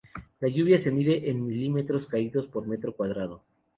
La lluvia se mide en milímetros caídos por metro cuadrado.